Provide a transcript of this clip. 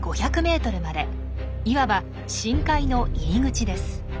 いわば深海の入り口です。